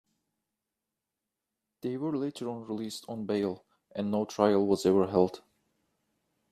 They were later on released on bail and no trial was ever held.